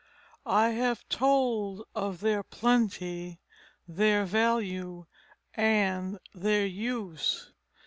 I have told of their plenty, their value, and their use.